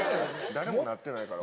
誰もなってないから。